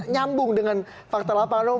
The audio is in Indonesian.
nyambung dengan fakta lapangan